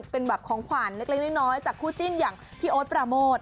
เป็นแบบของขวัญเล็กน้อยจากคู่จิ้นอย่างพี่โอ๊ตปราโมท